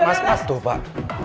mas mas tuh pak